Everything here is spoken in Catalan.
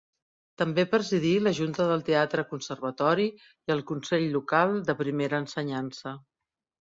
També presidí la Junta del Teatre Conservatori i el Consell local de Primera ensenyança.